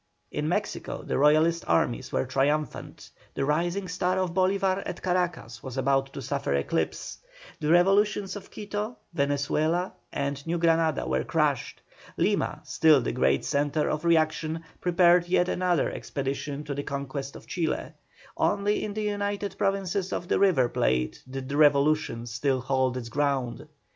In Mexico the Royalist arms were triumphant; the rising star of Bolívar at Caracas was about to suffer eclipse; the revolutions of Quito, Venezuela, and New Granada were crushed; Lima, still the great centre of reaction, prepared yet another expedition for the conquest of Chile; only in the united provinces of the River Plate did the revolution still hold its ground.